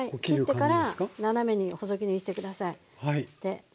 切ってから斜めに細切りにして下さい。